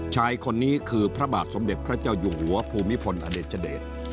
ชายคนนี้คือพระบาทสมเด็จพระเจ้าอยู่หัวภูมิพลอดุชเดช